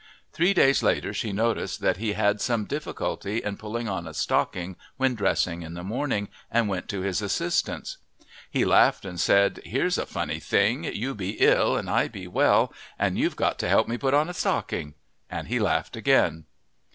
Three days later she noticed that he had some difficulty in pulling on a stocking when dressing in the morning, and went to his assistance. He laughed and said, "Here's a funny thing! You be ill and I be well, and you've got to help me put on a stocking!" and he laughed again.